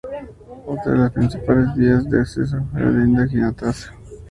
Otra de las principales vías de acceso es la Avenida Giannattasio.